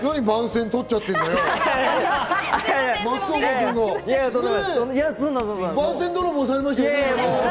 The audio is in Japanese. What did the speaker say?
番宣泥棒されましたね。